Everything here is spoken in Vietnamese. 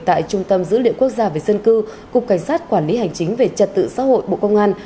tại trung tâm dữ liệu quốc gia về dân cư cục cảnh sát quản lý hành chính về trật tự xã hội bộ công an